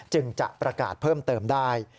จึงจะประกาศเพิ่มเติมได้